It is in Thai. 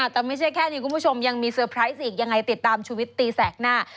แต่ไม่ใช่แค่นี้คุณผู้ชมยังมีเซอร์ไพรส์อีกยังไงติดตามชีวิตตีแสกหน้า